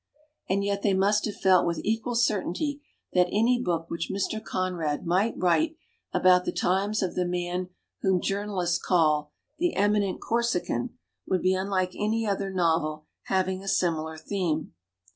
And yet they must have felt with equal cer tainty that any book which Mr. Con rad might write about the times of the man whom journalists call "the Emi nent Corsican" would be unlike any other novel having a similar theme.